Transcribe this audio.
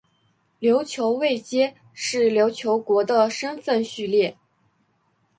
琉球位阶是琉球国的身分序列。